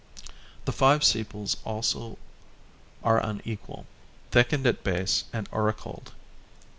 The five sepals also are unequal, thickened at base and auricled.